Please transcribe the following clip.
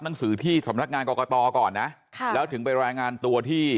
หนังสือที่สำนักงานกรกตก่อนนะค่ะแล้วถึงไปรายงานตัวที่